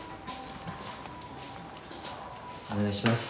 お願いします。